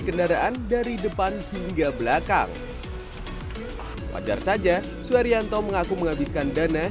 kendaraan dari depan hingga belakang wajar saja suharyanto mengaku menghabiskan dana